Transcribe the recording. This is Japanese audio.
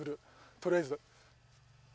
とりあえず。